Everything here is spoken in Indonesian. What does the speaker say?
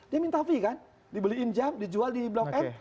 dia minta fee kan dibeliin jam dijual di blok m